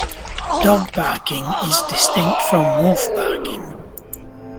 Dog barking is distinct from wolf barking.